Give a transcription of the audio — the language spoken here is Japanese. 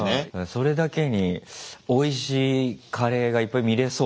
それだけにおいしいカレーがいっぱい見れそうだな。